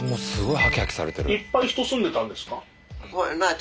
いっぱい人住んでたんですか？